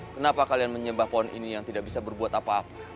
kenapa kalian menyembah pohon ini yang tidak bisa berbuat apa apa